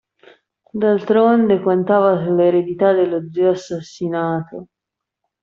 D'altronde contava sull'eredità dello zio assassinato.